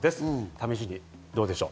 試しにどうでしょう？